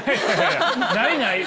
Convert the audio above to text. ないない！